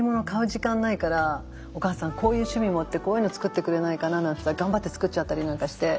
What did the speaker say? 時間ないからお母さんこういう趣味もってこういうの作ってくれないかななんつったら頑張って作っちゃったりなんかして。